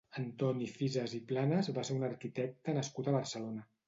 Antoni Fisas i Planas va ser un arquitecte nascut a Barcelona.